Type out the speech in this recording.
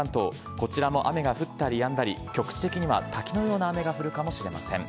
こちらも雨が降ったりやんだり、局地的には滝のような雨が降るかもしれません。